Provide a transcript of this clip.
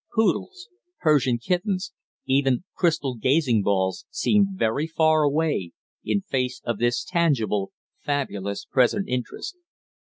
Poodles, Persian kittens, even crystal gazing balls, seemed very far away in face of this tangible, fabulous, present interest.